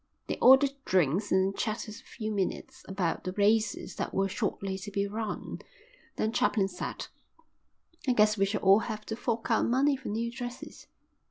They ordered drinks and chatted a few minutes about the races that were shortly to be run. Then Chaplain said: "I guess we shall all have to fork out money for new dresses."